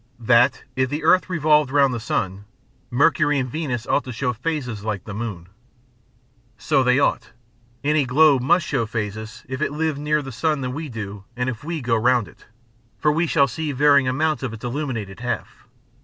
That, if the earth revolved round the sun, Mercury and Venus ought to show phases like the moon. So they ought. Any globe must show phases if it live nearer the sun than we do and if we go round it, for we shall see varying amounts of its illuminated half.